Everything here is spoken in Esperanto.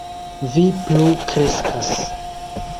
Vi plu kreskas.